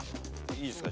いいですか？